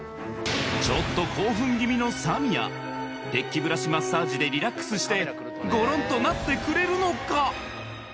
ちょっと興奮気味のサミアデッキブラシマッサージでリラックスしてごろんとなってくれるのか？